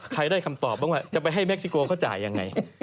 ใครได้คำตอบว่าจะไปให้เม็กซิโกเขาจ่ายอย่างไร